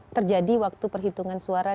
terjadi waktu perhitungan suara